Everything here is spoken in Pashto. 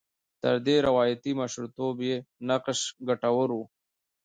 تر دې روایاتي مشرتوب یې نقش ګټور و.